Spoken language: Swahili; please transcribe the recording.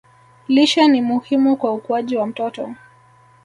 Lishe ni muhimu kwa ukuaji wa mtoto